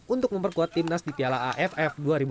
untuk memperkuat timnas di piala aff dua ribu dua puluh